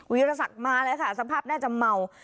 เวียรษัทมาแล้วค่ะสภาพน่าจะเมา